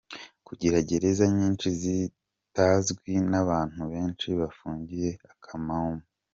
– Kugira gereza nyinshi zitazwi n’abantu benshi bafungiye akamamo;